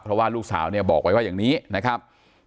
เพราะว่าลูกสาวเนี่ยบอกไว้ว่าอย่างนี้นะครับ